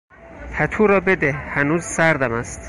پتو را بده، هنوز سردم است.